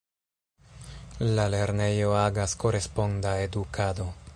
La lernejo agas koresponda edukado.